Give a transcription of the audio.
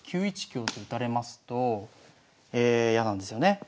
９一香と打たれますと嫌なんですよね